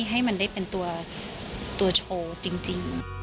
ให้มันได้เป็นตัวโชว์จริง